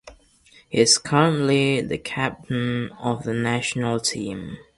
He is currently the captain of the national team.